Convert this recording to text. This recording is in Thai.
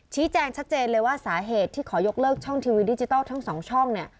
ชี้แจงชัดเจนเลยว่าสาเหตุที่ขอยกเลิกช่องทีวีดิจิทัลทั้งสองช่องเนี่ย